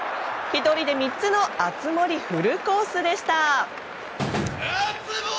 １人で３つの熱盛フルコースでした。